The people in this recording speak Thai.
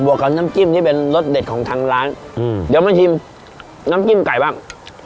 วกกับน้ำจิ้มที่เป็นรสเด็ดของทางร้านอืมเดี๋ยวมาชิมน้ำจิ้มไก่บ้าง